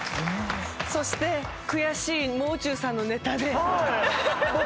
そして悔しいもう中さんのネタで。